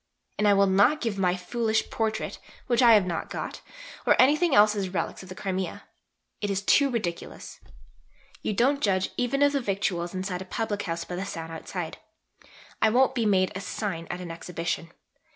And I will not give my foolish Portrait (which I have not got) or anything else as 'relics' of the Crimea. It is too ridiculous. You don't judge even of the victuals inside a public house by the sign outside. I won't be made a sign at an Exhibition.